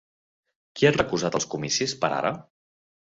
Qui ha recusat els comicis per ara?